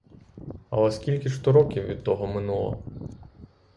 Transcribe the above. Але скільки ж то років від того минуло?